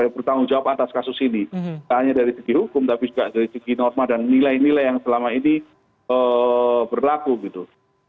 bertanggung jawab atas kasus ini tak hanya dari segi hukum tapi juga dari segi norma dan nilai nilai yang selama ini berlaku gitu